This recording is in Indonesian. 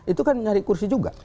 itu kan nyari kursi juga